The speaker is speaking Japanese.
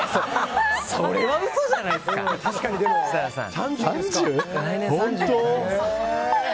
それは嘘じゃないですか設楽さん。